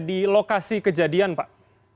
di lokasi kejadian pak